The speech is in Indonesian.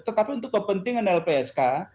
tetapi untuk kepentingan lpsk